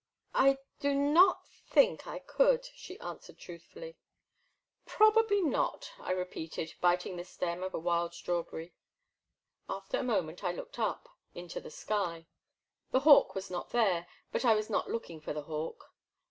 I do not think I could,'* she answered truth fully. Probably not,*' I repeated, biting the stem of a wild strawberry. After a moment I looked up i6o The Black Water. into the sky. The hawk was not there ; but I was not looking for the hawk.